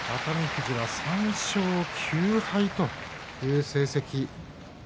富士は３勝９敗という成績。